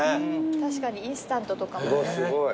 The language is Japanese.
確かにインスタントとかもね。